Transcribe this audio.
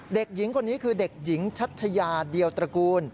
เด็กหญิงคนนี้คือเด็กหญิงชัชยาเดียวตระกูล